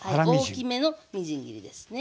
大きめのみじん切りですね。